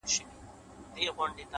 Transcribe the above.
• نه ـ نه داسي نه ده ـ